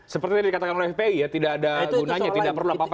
seperti yang dikatakan oleh fpi ya tidak ada gunanya tidak perlu apa apa